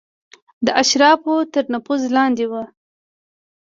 د اشرافو تر نفوذ لاندې وه.